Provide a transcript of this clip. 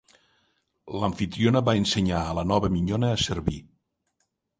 L'amfitriona va ensenyar a la nova minyona a servir.